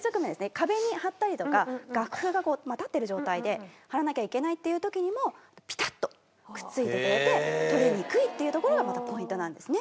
壁に貼ったりとか楽譜が立ってる状態で貼らなきゃいけないっていう時にもピタッとくっついてくれて取れにくいっていうところがまたポイントなんですね。